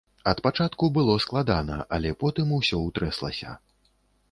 Ад пачатку было складана, але потым усё ўтрэслася.